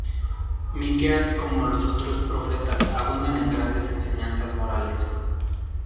Miqueas, como los otros profetas, abundan en grandes enseñanzas morales.